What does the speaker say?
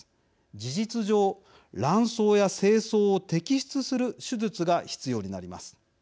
事実上卵巣や精巣を摘出する手術が必要になります。